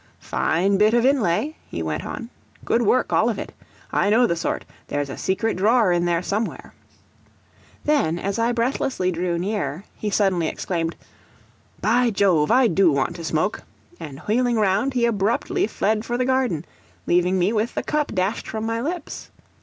"Fine bit of inlay," he went on: "good work, all of it. I know the sort. There's a secret drawer in there somewhere." Then, as I breathlessly drew near, he suddenly exclaimed: "By Jove, I do want to smoke!" and wheeling round he abruptly fled for the garden, leaving me with the cup dashed from my lips.